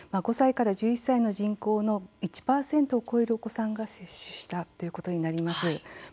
５歳から１１歳の人口の１％を超えるお子さんが接種したということになります。